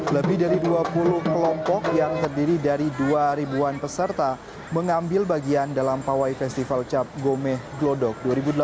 lebih dari dua puluh kelompok yang terdiri dari dua ribuan peserta mengambil bagian dalam pawai festival cap gomeh glodok dua ribu delapan belas